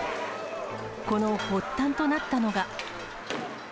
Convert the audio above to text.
この発端となったのが。